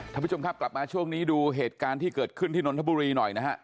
ท่านผู้ชมครับกลับมาช่วงนี้ดูเหตุการณ์ที่เกิดขึ้นที่นนทบุรีหน่อยนะฮะ